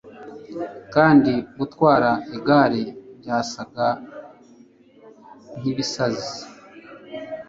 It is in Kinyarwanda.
Kandi gutwara igare byasaga nkibisazi